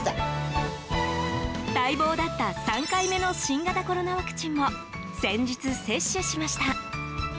待望だった３回目の新型コロナワクチンも先日、接種しました。